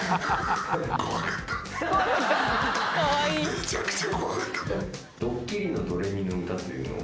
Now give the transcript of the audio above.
めちゃくちゃ怖かった。